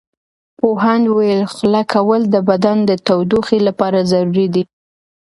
پوهاند وویل خوله کول د بدن د تودوخې لپاره ضروري دي.